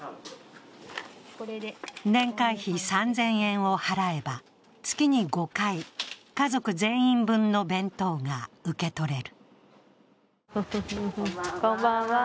年会費３０００円を払えば月に５回家族全員分の弁当が受け取れる。